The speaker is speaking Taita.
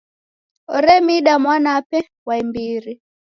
Oremida mwanape wa imbiri.